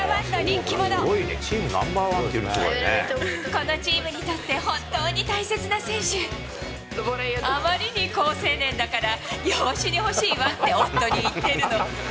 このチームにとって本当に大あまりに好青年だから、養子に欲しいわって夫に言ってるの。